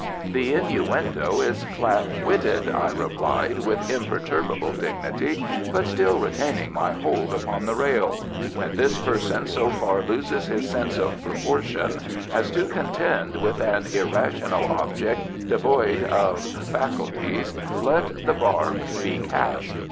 "The innuendo is flat witted," I replied with imperturbable dignity, but still retaining my hold upon the rail. "When this person so far loses his sense of proportion as to contend with an irrational object, devoid of faculties, let the barb be cast.